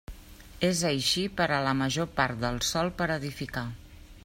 És així per a la major part del sòl per edificar.